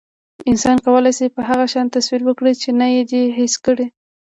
انسان کولی شي، د هغو شیانو تصور وکړي، چې نه یې دي حس کړي.